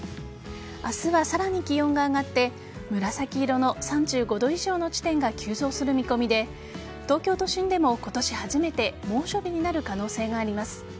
明日はさらに気温が上がって紫色の３５度以上の地点が急増する見込みで東京都心でも今年初めて猛暑日になる可能性があります。